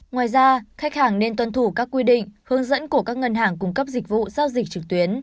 ngoài ra khách hàng nên tuân thủ các quy định hướng dẫn của các ngân hàng cung cấp dịch vụ giao dịch trực tuyến